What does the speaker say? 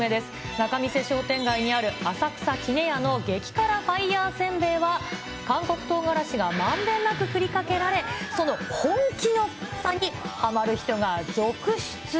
仲見世商店街にある浅草杵屋の激辛ファイヤー煎餅は、韓国唐辛子がまんべんなく振りかけられ、その本気の辛さにはまる人が続出。